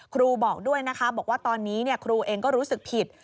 ครูบอกด้วยนะคะบอกว่าตอนนี้ครูเองก็รู้สึกผิด